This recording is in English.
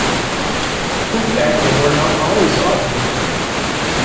Hook echoes are not always obvious.